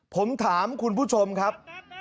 ผมถามคุณผู้ชมครับ